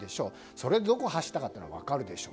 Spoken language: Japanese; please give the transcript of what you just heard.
それでどこを走ったか分かるでしょう。